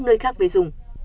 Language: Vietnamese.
không nơi khác về dùng